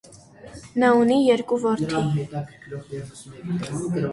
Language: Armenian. Նա ունի երկու որդի։